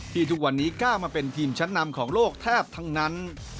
ทุกวันนี้ก้าวมาเป็นทีมชั้นนำของโลกแทบทั้งนั้น